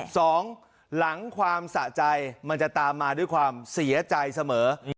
สองหลังความสะใจมันจะตามมาด้วยความเสียใจเสมอ